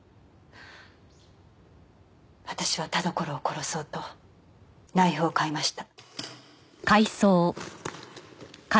私は田所を殺そうとナイフを買いました。